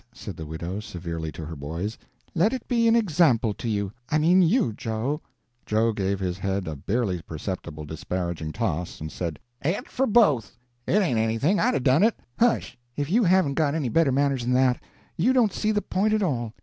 said the widow, severely, to her boys. "Let it be an example to you I mean you, Joe." Joe gave his head a barely perceptible disparaging toss and said: "Et for both. It ain't anything I'd 'a' done it." "Hush, if you haven't got any better manners than that. You don't see the point at all.